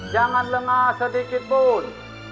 jangan lengah sedikitpun